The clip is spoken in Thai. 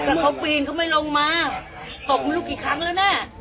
แล้วเขาปีนเขาไม่ลงมาตบไม่รู้กี่ครั้งแล้วนะ